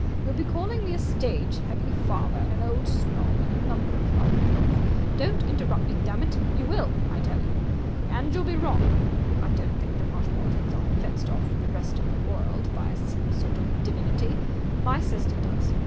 You'll be calling me a stage heavy father and an old snob and a number of other things. Don't interrupt me, dammit! You will, I tell you! And you'll be wrong. I don't think the Marshmoretons are fenced off from the rest of the world by some sort of divinity. My sister does.